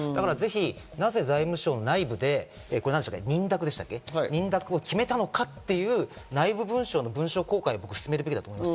なぜ財務省の内部で認諾を決めたのかという内部文書の文書公開を進めるべきだと思います。